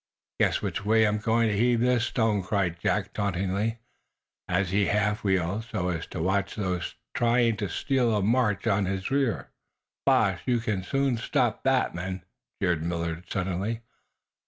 "Guess which way I'm going to heave this stone!" cried Jack, tauntingly, as he half wheeled, so as to watch those trying to steal a march in his rear. "Bosh! You can soon stop that, men!" jeered Millard, suddenly.